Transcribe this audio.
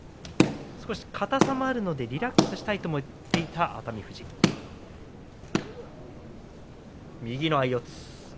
少し硬さもあるのでリラックスしたいと話していた熱海富士右の相四つ。